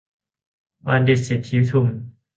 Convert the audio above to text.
บัณฑิต สิทธิทุม